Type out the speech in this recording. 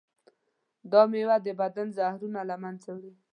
دا میوه د بدن زهرونه له منځه وړي.